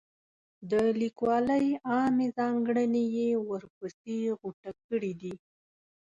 د لیکوالۍ عامې ځانګړنې یې ورپسې غوټه کړي دي.